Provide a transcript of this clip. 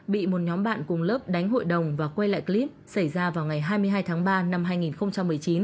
bị một nhóm bạn cùng lớp đánh hội đồng và quay lại clip xảy ra vào ngày hai mươi hai tháng ba năm hai nghìn một mươi chín